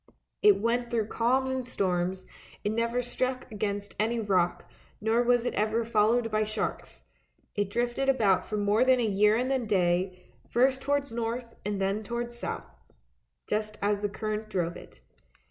It went through calms and storms : it never struck against any rock, nor was it ever followed by sharks; it drifted about for more than a year and a day, first towards north and then towards south, just as the current drove it.